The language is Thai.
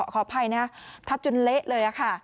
ขออภัยนะทับจนเละเลยค่ะ